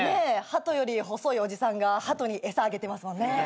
ハトより細いおじさんがハトに餌あげてますもんね。